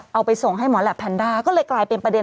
เอาไปส่งให้หมอแหลปแพนด้าก็เลยกลายเป็นประเด็น